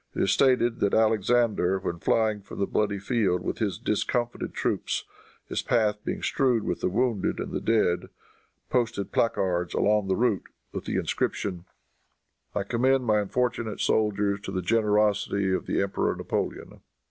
It is stated that Alexander, when flying from the bloody field with his discomfited troops, his path being strewed with the wounded and the dead, posted placards along the route, with the inscription, "I commend my unfortunate soldiers to the generosity of the Emperor Napoleon!"